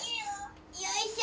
よいしょ！